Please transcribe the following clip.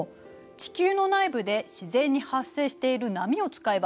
地球の内部で自然に発生している波を使えばいいのよ。